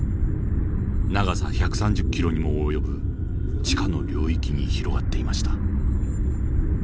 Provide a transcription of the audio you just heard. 長さ１３０キロにも及ぶ地下の領域に広がっていました。